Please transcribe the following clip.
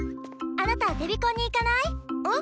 あなたデビコンに行かない？え？